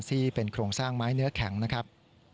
ที่เป็นโครงสร้างไม้เนื้อแข็งนะครับ